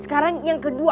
sekarang yang kedua